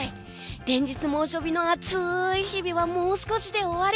連日猛暑日の暑い日々はもう少しで終わり。